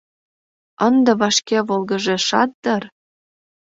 Ынде вашке волгыжешат дыр...